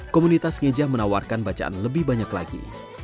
komunitas ngejah menawarkan bacaan lebih banyak lagi